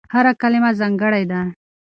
هره کلمه ځانګړې ده.